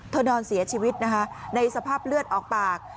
เธอนอนเสียชีวิตในสภาพเลือดออกปาก